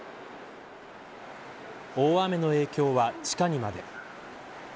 大雨の影響は地下にまで。